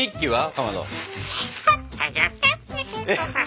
かまど。